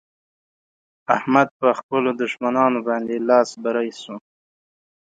احمد په خپلو دښمانانو باندې لاس بری شو.